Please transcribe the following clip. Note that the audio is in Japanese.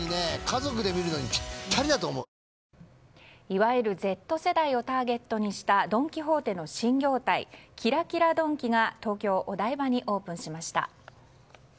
いわゆるＺ世代をターゲットにしたドン・キホーテの新業態キラキラドンキが東京・お台場にオープンしました。